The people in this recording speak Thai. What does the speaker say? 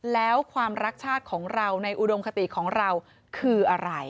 แล้วความรักชาติของเราในอุดมคติของเราคืออะไร